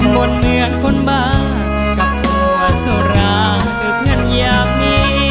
บ่นเหมือนคนบ้านกับหัวสระอึดขึ้นอย่างนี้